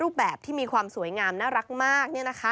รูปแบบที่มีความสวยงามน่ารักมาก